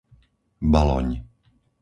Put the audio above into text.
Baloň